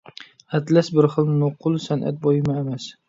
ئەتلەس بىر خىل نوقۇل سەنئەت بۇيۇمى ئەمەس.